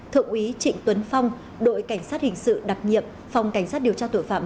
thượng úy trịnh tuấn phong đội cảnh sát hình sự đặc nhiệm phòng cảnh sát điều tra tội phạm